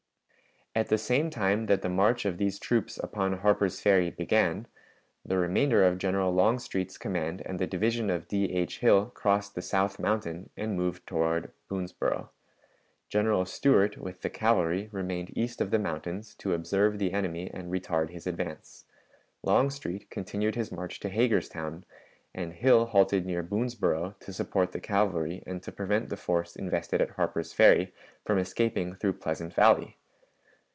At the same time that the march of these troops upon Harper's Ferry began, the remainder of General Longstreet's command and the division of D. H. Hill crossed the South Mountain and moved toward Boonsboro. General Stuart with the cavalry remained east of the mountains to observe the enemy and retard his advance. Longstreet continued his march to Hagerstown, and Hill halted near Boonsboro to support the cavalry and to prevent the force invested at Harper's Ferry from escaping through Pleasant Valley.